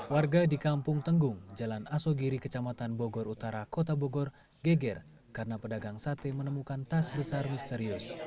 warga di kampung tenggung jalan asogiri kecamatan bogor utara kota bogor geger karena pedagang sate menemukan tas besar misterius